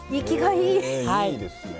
いいですね。